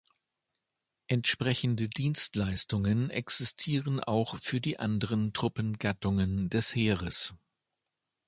Entsprechende Dienststellungen existieren auch für die anderen Truppengattungen des Heeres.